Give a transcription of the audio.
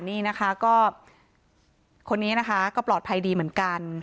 นี่นะคะก็คนนี้นะคะก็ปลอดภัยดีเหมือนกัน